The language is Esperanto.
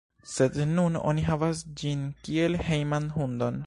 Sed nun oni havas ĝin kiel hejman hundon.